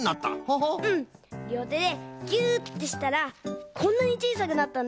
りょうてでぎゅってしたらこんなにちいさくなったんだ！